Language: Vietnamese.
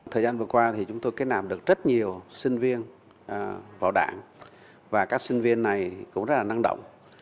thời gian vừa qua thì chúng tôi kết nạp được rất nhiều sinh viên vào đảng và các sinh viên này cũng rất là năng động